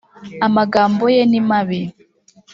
amagambo ye nimabi.